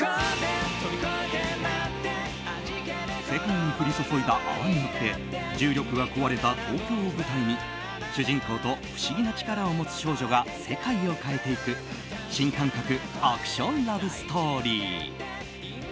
世界に降り注いだ泡によって重力が壊れた東京を舞台に主人公と不思議な力を持つ少女が世界を変えていく新感覚アクションラブストーリー。